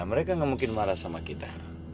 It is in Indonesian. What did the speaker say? mereka gak mungkin marah sama kita